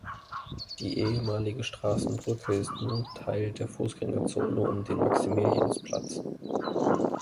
Die ehemalige Straßenbrücke ist nun Teil der Fußgängerzone um den Maximiliansplatz.